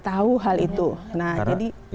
tahu hal itu nah jadi